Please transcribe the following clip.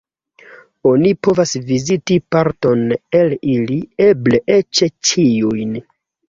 Oni povas viziti parton el ili, eble eĉ ĉiujn.